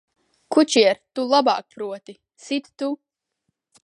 Ku?ier, tu lab?k proti, sit tu!